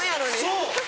そう！